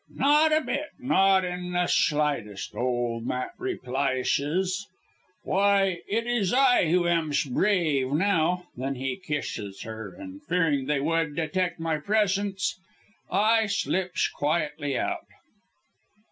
'Not a bit not in the slightest,' old Matt replieshes, 'why it is I who amsh brave now.' Then he kisshes her, and fearing they would detect my presence, I slipsh quietly out."